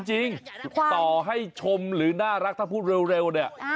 จริงต่อให้ชมหรือน่ารักถ้าพูดเร็วเนี่ย